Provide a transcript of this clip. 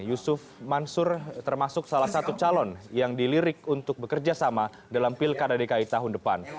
yusuf mansur termasuk salah satu calon yang dilirik untuk bekerja sama dalam pilkada dki tahun depan